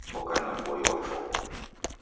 Oka na boi wa chokwa